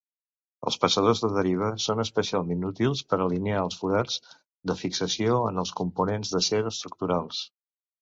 Els passadors de deriva són especialment útils per alinear els forats de fixació en els components d'acer estructurals.